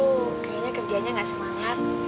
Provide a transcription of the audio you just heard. lihat aku kayaknya kerjanya nggak semangat